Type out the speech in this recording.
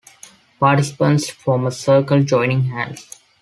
Participants form a circle, joining hands.